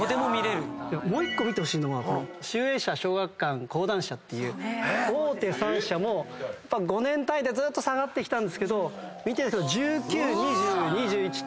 もう１個見てほしいのは集英社小学館講談社という大手３社も５年単位でずーっと下がってきたんですけど１９２０２１と。